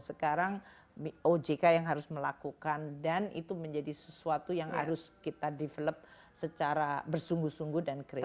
sekarang ojk yang harus melakukan dan itu menjadi sesuatu yang harus kita develop secara bersungguh sungguh dan kritis